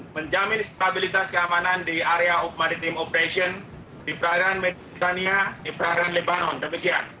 menjamin stabilitas keamanan di area maritime operation di perairan medina di perairan lebanon